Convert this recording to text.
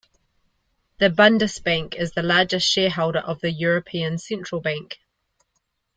The Bundesbank is the largest shareholder of the European Central Bank.